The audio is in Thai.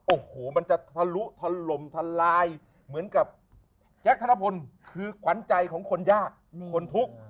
โอ้โหมันจะทะลุทะลมทลายเหมือนกับแจ๊คธนพลคือขวัญใจของคนยากคนทุกข์